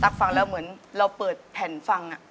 ฟังแล้วเหมือนเราเปิดแผ่นฟัง